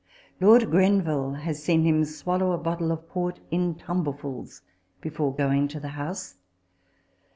Lord Grenville has seen him swallow a bottle of port in tumblerfuls, before going to the House.